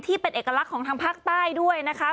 ที่เป็นเอกลักษณ์ของทางภาคใต้ด้วยนะคะ